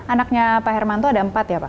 anaknya pak herman itu ada empat ya pak